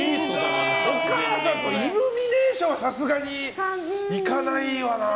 お母さんとイルミネーションはさすがに行かないよな。